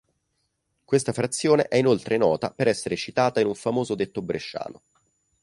Questa frazione è inoltre nota per essere citata in un famoso detto bresciano.